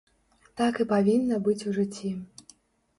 Так і павінна быць у жыцці.